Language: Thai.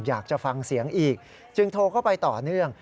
อยากจะฟังเสียงอีกจึงโทรเข้าไปต่อเนื่อง